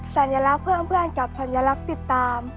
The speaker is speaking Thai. สัญลักษณ์เพิ่มเพื่อนจับสัญลักษณ์ติดตาม